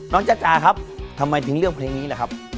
จ้าครับทำไมถึงเลือกเพลงนี้ล่ะครับ